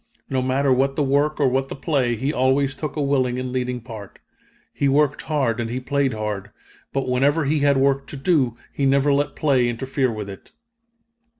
No matter what the work or what the play, he always took a willing and leading part. He worked hard and he played hard; but whenever he had work to do, he never let play interfere with it."